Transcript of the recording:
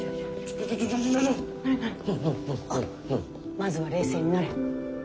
まずは冷静になれ！